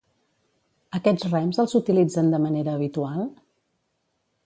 Aquests rems els utilitzen de manera habitual?